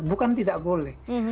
bukan tidak boleh